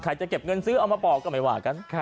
จะเก็บเงินซื้อเอามาปอกก็ไม่ว่ากัน